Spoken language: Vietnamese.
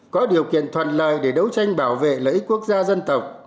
có điều kiện thuận lợi để đấu tranh bảo vệ lợi ích quốc gia dân tộc